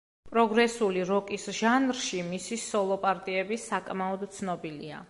პროგრესული როკის ჟანრში მისი სოლო პარტიები საკმაოდ ცნობილია.